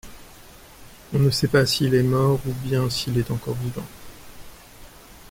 On ne sait pas s’il est mort ou bien s’il est encore vivant.